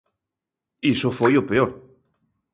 Iso foi o peor.